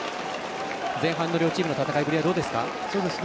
前半の両チームの戦いぶりはどうですか？